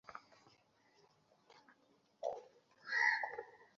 পরে সিদ্ধান্ত গ্রহণ শেষে কমিশনারদের কাছে অবহিতকরণের জন্য একটি চিঠি দেওয়া হয়।